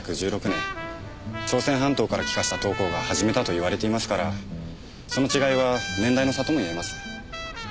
朝鮮半島から帰化した陶工が始めたといわれていますからその違いは年代の差ともいえます。